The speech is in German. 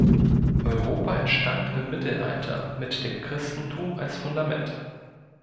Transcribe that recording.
Europa entstand im Mittelalter mit dem Christentum als Fundament.